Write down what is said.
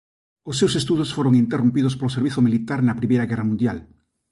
Os seus estudos foron interrompidos polo servizo militar na primeira guerra mundial.